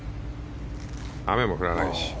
雨も降らないし。